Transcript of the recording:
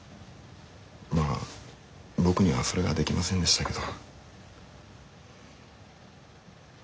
まあ僕にはそれができませんでしたけど。